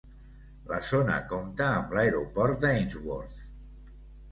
La zona compta amb l'aeroport d'Ainsworth.